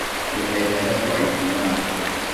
你睇太多鬼片喇